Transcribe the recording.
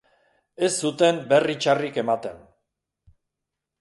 Ez zuten berri txarrik ematen.